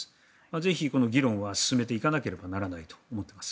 ぜひこの議論は進めていかないといけないと思っています。